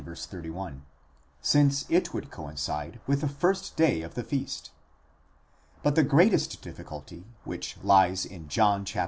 31), since it would coincide with the first day of the feast.8 But the greatest difficulty, which lies in John xviii.